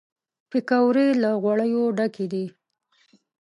پکورې له غوړیو ډکې وي